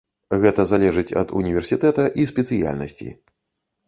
Гэта залежыць ад універсітэта і спецыяльнасці.